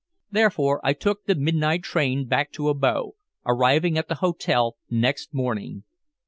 Therefore I took the midnight train back to Abo, arriving at the hotel next morning.